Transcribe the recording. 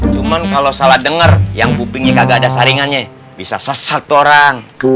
cuman kalo salah denger yang bubingnya kagak ada saringannya bisa sesak tuh orang